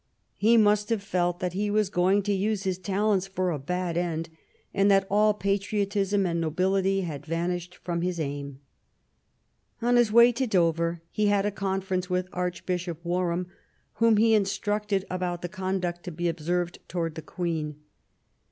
He must have' felt that he was going to use his talents for a bad end, and that all patriotism and nobility had vanished from his aim. On his way to Dover he had a conference with Archbishop Warham, whom he instructed about the conduct to be observed towards the queen.